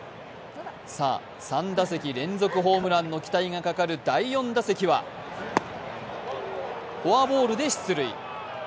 さあ、３打席連続ホームランの期待がかかる第４打席はフォアボールで出塁。